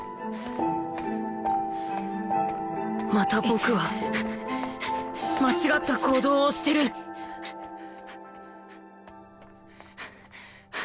また僕は間違った行動をしてるハアハア。